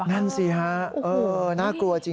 นั่นซะครับ